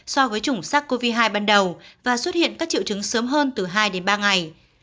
so với chủng sars cov hai ban đầu và xuất hiện các triệu chứng sớm hơn từ hai đến ba ngày